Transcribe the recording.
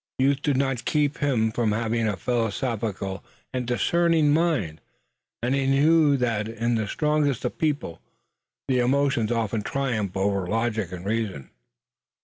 Youth did not keep him from having a philosophical and discerning mind, and he knew that in the strongest of people the emotions often triumph over logic and reason.